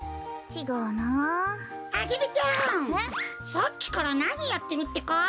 さっきからなにやってるってか？